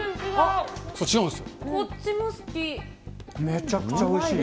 めちゃくちゃおいしい。